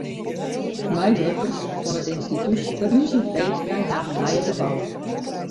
De meiwurkers fan it ynstitút ferhúzje freed nei harren nije gebou.